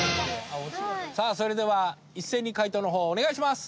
さあそれでは一斉に解答の方をお願いします。